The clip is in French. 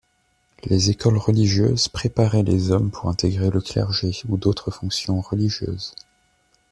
Les écoles religieuses préparaient les hommes pour intégrer le clergé ou d'autres fonctions religieuses.